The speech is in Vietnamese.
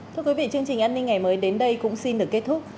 thưa quý vị chương trình an ninh ngày mới đến đây cũng xin được kết thúc